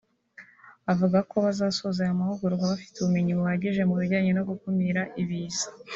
avuga ko bazasoza aya mahugurwa bafite ubumenyi buhagije mubijyanye no gukumira Ibiza